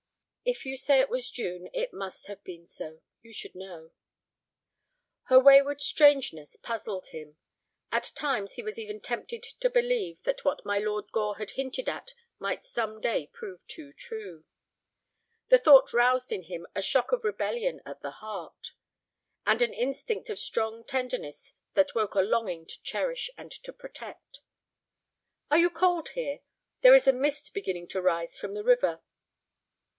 "If you say it was June it must have been so. You should know." Her wayward strangeness puzzled him. At times he was even tempted to believe that what my Lord Gore had hinted at might some day prove too true. The thought roused in him a shock of rebellion at the heart, and an instinct of strong tenderness that woke a longing to cherish and to protect. "Are you cold here? There is a mist beginning to rise from the river."